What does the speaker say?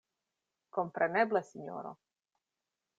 Kompreneble, sinjoro!